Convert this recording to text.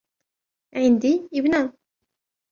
عندي ابنان.